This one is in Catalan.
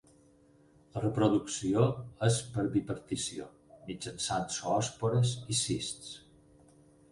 La reproducció és per bipartició, mitjançant zoòspores i cists.